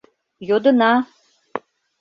— Йодына!